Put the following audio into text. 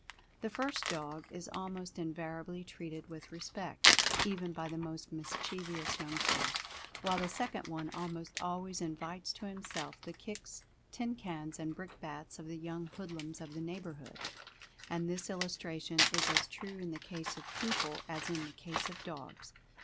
The first dog is almost invariably treated with respect, even by the most mischievous young sters; while the second one almost always invites to himself the kicks, tin cans and brick bats of the young hoodlums of the neighborhood. And this illustration is as true in the case of people as in the case of dogs.